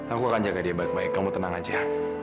aku akan jaga dia baik baik kamu tenang aja